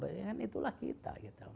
ya kan itulah kita gitu